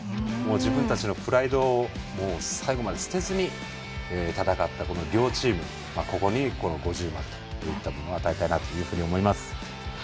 自分たちのプライドを最後まで捨てずに戦った両チームに五重マルというのを与えたいなと思います。